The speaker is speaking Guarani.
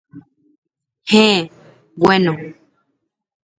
Héẽ, bueno.